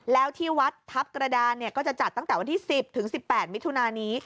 แล้วที่วัดทัพกระดานก็จะจัดตั้งแต่วันที่๑๐ถึง๑๘มิถุนานี้